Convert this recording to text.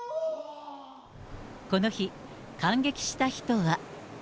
この日、観劇した人は。